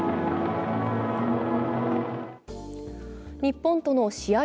日本との試合